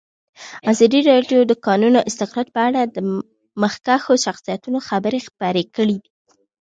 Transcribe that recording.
ازادي راډیو د د کانونو استخراج په اړه د مخکښو شخصیتونو خبرې خپرې کړي.